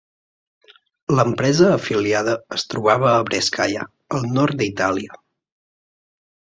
L'empresa afiliada es trobava a Brescia, al nord d'Itàlia.